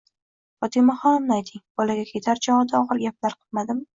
— Fotimaxonimni ayting, bolaga ketar chog'ida og'ir gaplar qilmadimi?